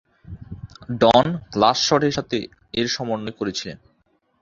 ডন "glass shot" এর সাথে এর সমন্বয় করেছিলেন।